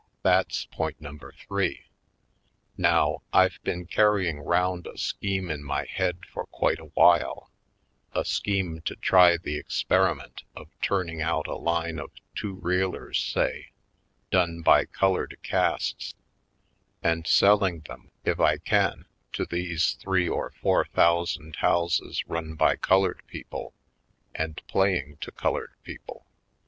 That's point num ber three. Now, I've been carrying round a scheme in my head for quite awhile — a scheme to try the experiment of turning out a line of two reelers, say, done by colored casts, and selling them, if I can, to these three or four thousand houses run by col ored people and playing to colored people.